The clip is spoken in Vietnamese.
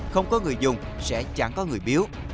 không có người dùng sẽ chẳng có người biếu